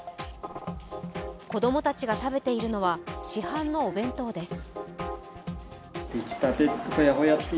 子供たちが食べているのは市販のお弁当です。